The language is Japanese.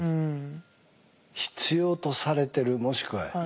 必要とされてるもしくは居場所